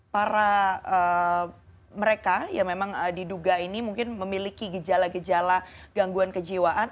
para mereka yang memang diduga ini mungkin memiliki gejala gejala gangguan kejiwaan